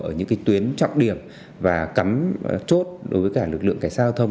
ở những tuyến trọng điểm và cắm chốt đối với cả lực lượng cảnh sát giao thông